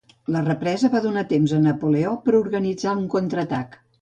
La represa va donar temps a Napoleó per organitzar un contraatac.